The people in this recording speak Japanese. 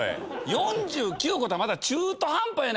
４９個てまた中途半端やな。